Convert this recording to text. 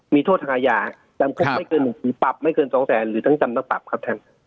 มีโทษทางอาญาจำคุกไม่เกิน๑ปีปรับไม่เกิน๒แสนหรือทั้งจำทั้งปรับครับท่าน